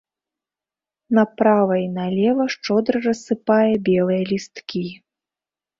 Направа і налева шчодра рассыпае белыя лісткі.